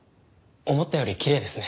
思ったよりきれいですね。